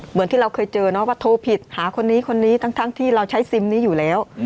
เหมือนที่เราเคยเจอเนาะว่าโทรผิดหาคนนี้คนนี้ทั้งที่เราใช้ซิมนี้อยู่แล้ว